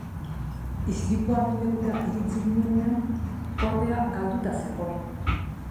Istripuaren lekura iritsi garenean kordea galduta zegoen.